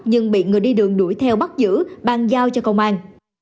nhưng bị người đi đường đuổi theo bắt giữ bàn giao cho công an